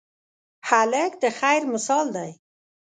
هلک د خیر مثال دی.